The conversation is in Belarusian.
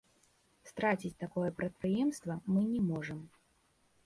Страціць такое прадпрыемства мы не можам.